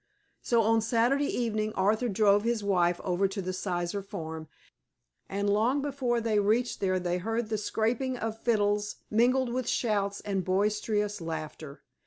'" So on Saturday evening Arthur drove his wife over to the Sizer farm, and long before they reached there they heard the scraping of fiddles, mingled with shouts and boisterous laughter.